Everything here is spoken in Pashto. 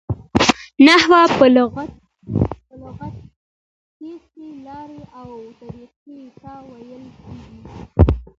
نحوه په لغت کښي لاري او طریقې ته ویل کیږي.